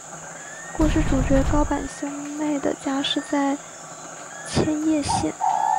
故事主角高坂兄妹的家是在千叶县。